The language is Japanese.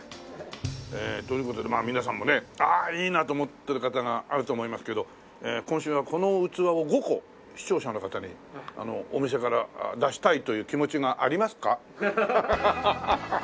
ええという事でまあ皆さんもねああいいなと思ってる方があると思いますけど今週はこの器を５個視聴者の方にお店から出したいという気持ちがありますか？